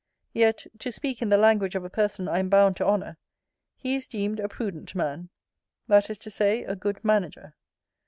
Yet, to speak in the language of a person I am bound to honour, he is deemed a prudent man; that is to say a good manager.